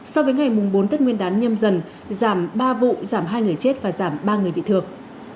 so với ngày bốn tết nguyên đán nhâm dần giảm ba vụ giảm hai người chết và giảm ba người bị thương